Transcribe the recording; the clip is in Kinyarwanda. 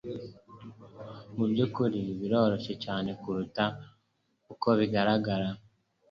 Mubyukuri biroroshye cyane kuruta uko bigaragara.